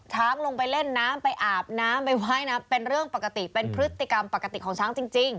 ลงไปเล่นน้ำไปอาบน้ำไปว่ายน้ำเป็นเรื่องปกติเป็นพฤติกรรมปกติของช้างจริง